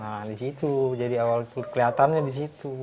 nah disitu jadi awal keliatannya disitu